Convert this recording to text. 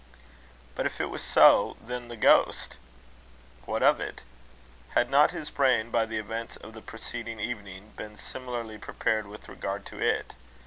But if it was so, then the ghost? what of it? Had not his brain, by the events of the preceding evening, been similarly prepared with regard to it?